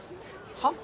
はっ？